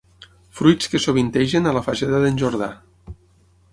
Fruits que sovintegen a la Fageda d'en Jordà.